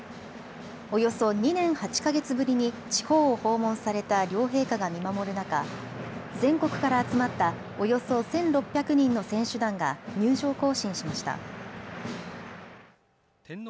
およそ２年８か月ぶりに地方を訪問された両陛下が見守る中、全国から集まったおよそ１６００人の選手団が入場行進しました。